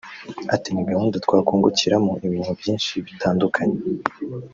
Ati “Ni gahunda twakungukiramo ibintu byinshi bitandukanye